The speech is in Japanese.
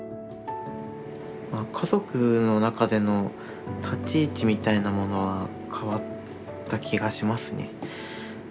まあ家族の中での立ち位置みたいなものは変わった気がしますね。